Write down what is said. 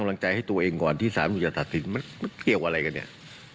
กำลังใจให้ตัวเองก่อนที่สารบุญจะตัดสินมันเกี่ยวอะไรกันเนี่ย